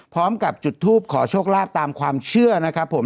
พร้อมกับจุดทูปขอโชคลาภตามความเชื่อนะครับผม